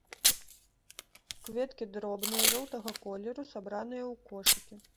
Кветкі дробныя, жоўтага колеру, сабраныя ў кошыкі.